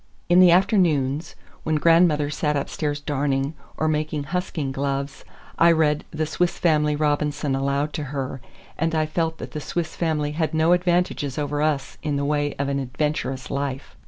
In the afternoons, when grandmother sat upstairs darning, or making husking gloves, I read "The Swiss Family Robinson" aloud to her, and I felt that the Swiss family had no advantages over us in the way of an adventurous life.